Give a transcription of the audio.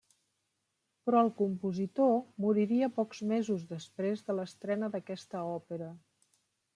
Però el compositor moriria pocs mesos després de l'estrena d'aquesta òpera.